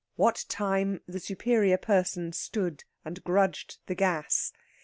What time the superior person stood and grudged the gas.